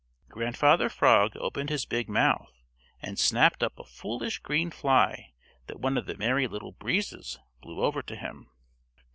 Grandfather Frog opened his big mouth and snapped up a foolish green fly that one of the Merry Little Breezes blew over to him.